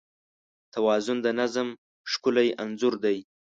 توازن د نظم ښکلی انځور دی.